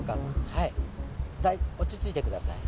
はい落ち着いてください。